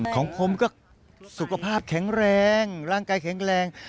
ของผมก็สุขภาพแข็งแรงร่างกายแข็งแรง